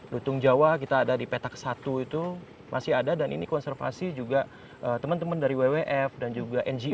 lutung jawa kita ada di petak satu itu masih ada dan ini konservasi juga teman teman dari wwf dan juga ngo